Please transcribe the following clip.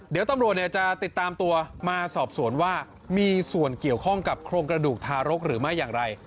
เดี๋ยวตำรวจจะติดตามตัวมาสอบสวนว่ามีส่วนเกี่ยวข้องกับโครงกระดูกทารกหรือไม่อย่างไร